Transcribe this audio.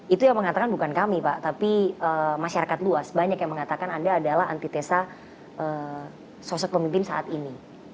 itu yang mengatakan bukan kami pak tapi masyarakat luas banyak yang mengatakan anda adalah antitesa sosok pemimpin saat ini